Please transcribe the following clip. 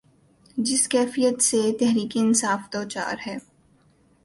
جس کیفیت سے تحریک انصاف دوچار ہے۔